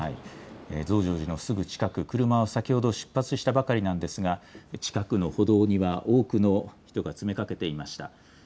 増上寺のすぐ近く、車は先ほど出発したばかりなんですが近くの歩道には多くの人が詰めかけていました。